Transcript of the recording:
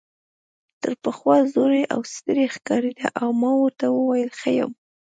تر پخوا زوړ او ستړی ښکارېده، ما ورته وویل ښه یم.